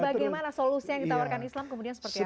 bagaimana solusi yang ditawarkan islam kemudian seperti apa